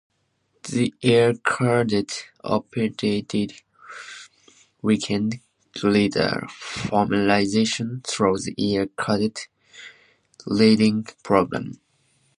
The Air Cadets operated weekend glider familiarization through the Air Cadet Gliding Program.